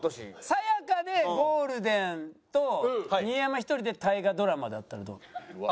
さや香でゴールデンと新山１人で大河ドラマだったらどう？